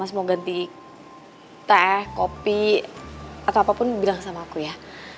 mau ganti teh kopi atau apapun bilang sama aku ya